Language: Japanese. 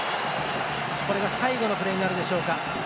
これが最後のプレーになるでしょうか。